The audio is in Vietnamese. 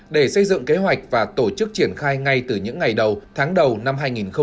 để xây dựng kế hoạch và tổ chức triển khai ngay từ những ngày đầu tháng đầu năm hai nghìn hai mươi